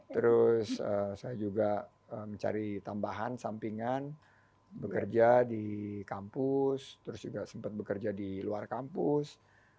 terus saya juga mencari tambahan sampingan bekerja di kampus terus juga sempat bekerja di luar kampus